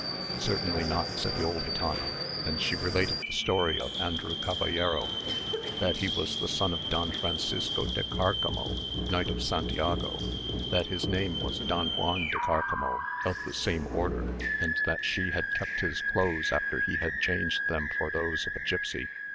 "Certainly not," said the old gitana; and she related the story of Andrew Caballero, that he was the son of Don Francisco de Cárcamo, knight of Santiago; that his name was Don Juan de Cárcamo, of the same order; and that she had kept his clothes after he had changed them for those of a gipsy.